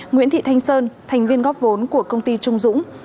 nguyễn thị thanh sơn thành viên góp vốn của công ty trung dũng